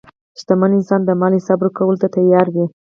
شتمن انسان د مال حساب ورکولو ته تیار وي.